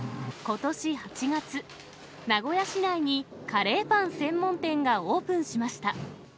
ことし８月、名古屋市内にカレーパン専門店がオープンしました。